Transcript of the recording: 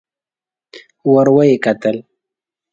ور ويې کتل.